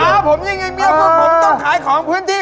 แล้วผมต้องขายของพี่